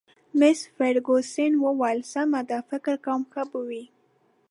مس فرګوسن وویل: سمه ده، فکر کوم ښه به وي.